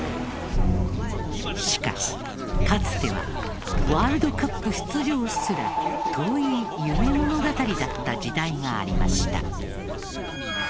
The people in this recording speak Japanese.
しかし、かつてはワールドカップ出場すら遠い夢物語だった時代がありました。